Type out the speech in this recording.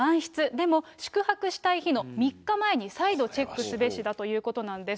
でも宿泊したい日の３日前に再度チェックすべしだということなんです。